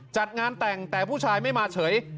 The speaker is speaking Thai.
จัดงานแต่งแต่ผู้ชายไม่มาเฉย